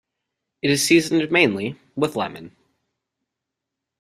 It is seasoned mainly with lemon.